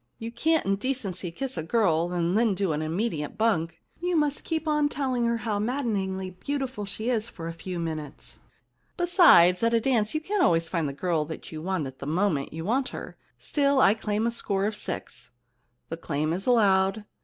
You can't in decency kiss a girl and then do an immediate bunk. You must keep on telling her how maddeningly beautiful she is for a few minutes. Besides, at a dance you can't always find the girl you want at the moment you want her. Still, I claim a score of six.' * The claim is allowed.